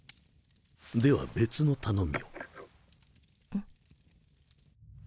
では別の頼みを。